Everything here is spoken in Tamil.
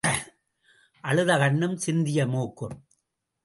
அழுத கண்ணும் சிந்திய மூக்கும்.